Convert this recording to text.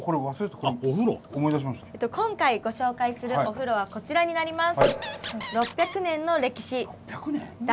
今回ご紹介するお風呂はこちらになります。